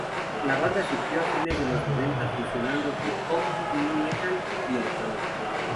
La banda surgió a fines de los noventa fusionando hip-hop, nu metal y electrónica.